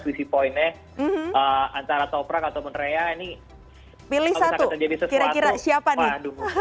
swisi poinnya antara toprak atau monrea ini pilih satu kira kira siapa nih